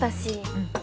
うん。